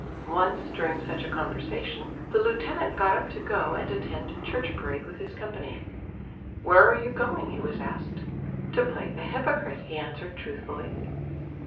Once during such a conversation the lieutenant got up to go and attend church parade with his company. "Where are you going?" he was asked. "To play the hypocrite," he answered truthfully.